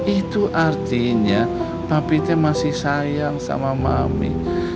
itu artinya papi teh masih sayang sama mami